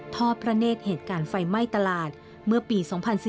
ทอดพระเนธเหตุการณ์ไฟไหม้ตลาดเมื่อปี๒๔๔